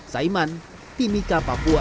saiman timika papua